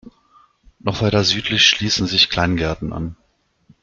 Noch weiter südlich schließen sich Kleingärten an.